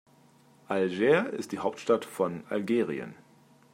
Algier ist die Hauptstadt von Algerien.